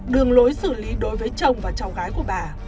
đường lối xử lý đối với chồng và cháu gái của bà